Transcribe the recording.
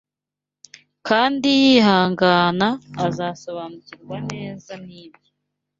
kandi yihangana, azasobanukirwa neza n’ibyo